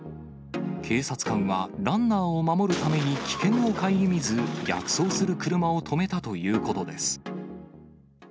警察官は、ランナーを守るために危険を顧みず、逆走する車を止めたということです。